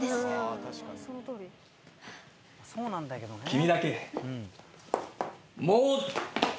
君だけ。